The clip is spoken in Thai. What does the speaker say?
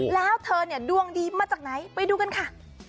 แล้วเธอเนี่ยดวงดีมาจากไหนไปดูกันค่ะ